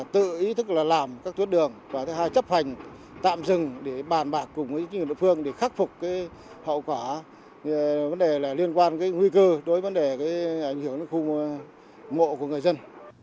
từ ý thức là làm các tuyết đường và thứ hai chấp hành tạm dừng để bàn bạc cùng với những người đối phương để khắc phục hậu quả liên quan đến nguy cư đối với ảnh hưởng đến khu mộ của người dân